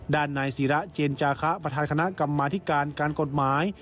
ด้านนายศิระเจนจาคะประธานคณะกรรมาธิการการกฎหมาย